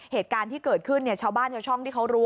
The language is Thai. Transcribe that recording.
เหตุการณ์ที่เกิดขึ้นเนี่ยชาวบ้านชาวช่องที่เขารู้